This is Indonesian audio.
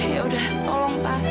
yaudah tolong pak